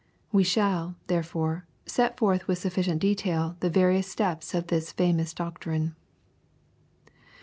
We shall, therefore, set forth with sufficient detail the various steps of this famous doctrine.